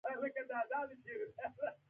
دا ډول خلک هم وو چې هېڅ ونه کړل.